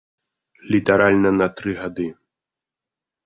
Літаральна на тры гады.